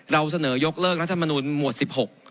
เราเสนอยกเลิกรัฐมนุนหมวด๑๖